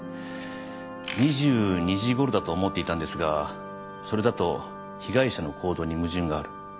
２２時ごろだと思っていたんですがそれだと「被害者の行動に矛盾がある」